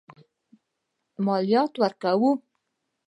مالیات ورکوي.